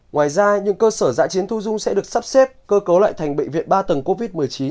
ngoài ra những cơ sở giã chiến thu dung sẽ được sắp xếp cơ cấu lại thành bệnh viện ba tầng covid một mươi chín